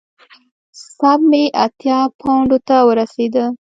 سپ مې اتیا پونډو ته ورسېده.